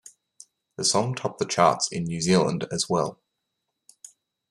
The song topped the charts in New Zealand as well.